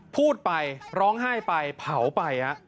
พูดไปร้องไห้ไปเผาไป